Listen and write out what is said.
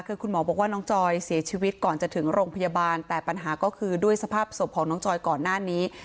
คือคุณหมอบอกว่าน้องจอยเสียชีวิตก่อนจะถึงโรงพยาบาลแต่ปัญหาก็คือด้วยสภาพศพของน้องจอยก่อนหน้านี้